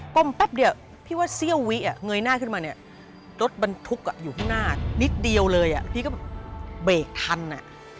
้มแป๊บเดียวพี่ว่าเสี้ยววิเงยหน้าขึ้นมาเนี่ยรถบรรทุกอยู่ข้างหน้านิดเดียวเลยอ่ะพี่ก็แบบเบรกทันอ่ะ